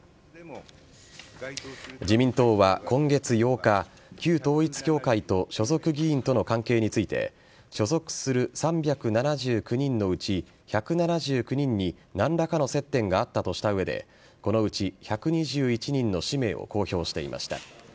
自民党は今月８日旧統一教会と所属議員との関係について所属する３７９人のうち１７９人に何らかの接点があったとした上でこのうち１２１人の氏名を公表していました。